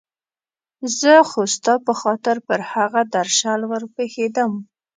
زه خو ستا په خاطر پر هغه درشل ور پېښېدم.